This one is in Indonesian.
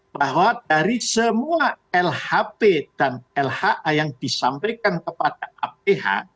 bahwa dari semua lhp dan lha yang disampaikan kepada aph